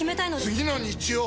次の日曜！